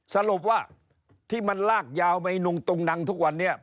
สรุปว่าที่มันลากยาวไปนุ่งตุงนังทุกวันนี้